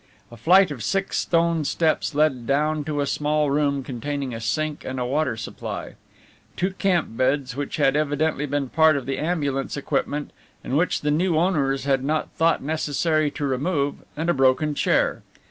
A flight of six stone steps led down to a small room containing a sink and a water supply, two camp beds which had evidently been part of the ambulance equipment and which the new owners had not thought necessary to remove, and a broken chair.